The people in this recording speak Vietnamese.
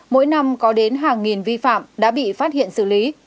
mỗi năm có đến hàng nghìn vi phạm đã bị phát hiện xử lý